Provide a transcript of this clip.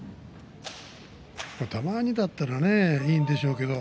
たまにだったらいいんでしょうけれど